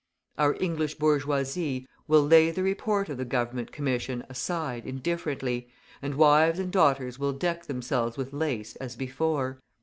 Our English bourgeoisie will lay the report of the Government Commission aside indifferently, and wives and daughters will deck themselves with lace as before.